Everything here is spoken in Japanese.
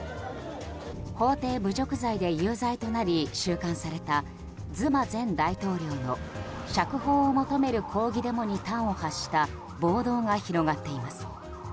法廷侮辱罪で有罪となり収監されたズマ前大統領の釈放を求める抗議デモに端を発した暴動が広がっています。